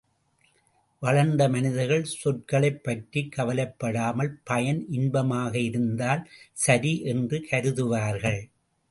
வளர்ந்த மனிதர்கள் சொற்களைப்பற்றிக் கவலைப்படாமல் பயன் இன்பமாக இருந்தால் சரி என்று கருதுவார்கள்.